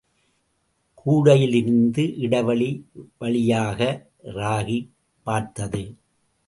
கூடையிலிருந்த இடைவெளி வழியாக ராகி பார்த்தது.